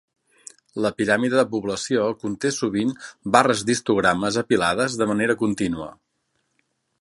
La piràmide de població conté sovint barres d'histogrames apilades de manera contínua.